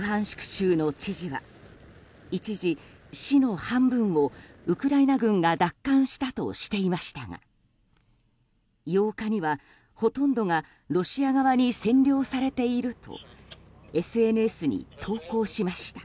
州の知事は一時、市の半分をウクライナ軍が奪還したとしていましたが８日には、ほとんどがロシア側に占領されているとＳＮＳに投稿しました。